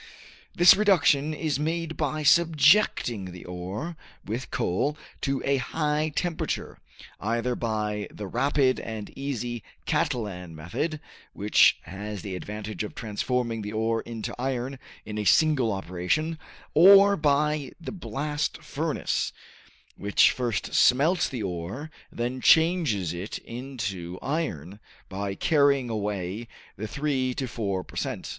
This reduction is made by subjecting the ore with coal to a high temperature, either by the rapid and easy Catalan method, which has the advantage of transforming the ore into iron in a single operation, or by the blast furnace, which first smelts the ore, then changes it into iron, by carrying away the three to four per cent.